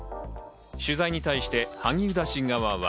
取材に対して、萩生田氏側は。